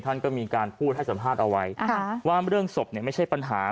ท่านก็มีการพูดให้สัมภาษณ์เอาไว้ว่าเรื่องศพเนี่ยไม่ใช่ปัญหา